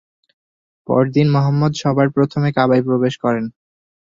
পরদিন মুহাম্মদ সবার প্রথমে কাবায় প্রবেশ করেন।